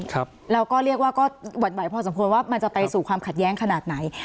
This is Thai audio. ครับแล้วก็เรียกว่าก็หวั่นไหวพอสมควรว่ามันจะไปสู่ความขัดแย้งขนาดไหน